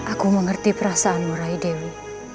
aku mengerti perasaanmu rai dewi